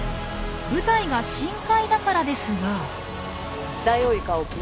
舞台が深海だからですが。